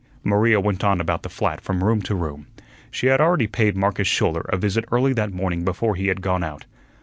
Maria went on about the flat from room to room. She had already paid Marcus Schouler a visit early that morning before he had gone out.